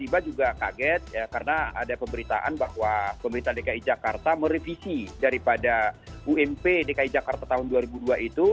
tiba juga kaget karena ada pemberitaan bahwa pemerintah dki jakarta merevisi daripada ump dki jakarta tahun dua ribu dua itu